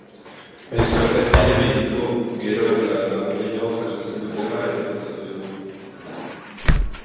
Aizkoraren deia hiriko gero eta lagun gehiagok jasotzen dutela ere kontatu digu.